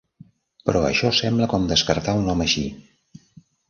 Però això sembla com descartar un home així.